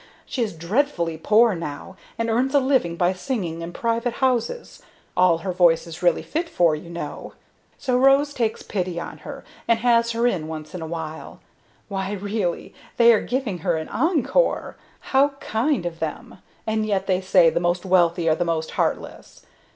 She is dreadfully poor now, and earns a living by singing in private houses all her voice is really fit for, you know. So Rose takes pity on her, and has her in once in a while. Why, really, they are giving her an encore! How kind of them; and yet they say the most wealthy are the most heartless.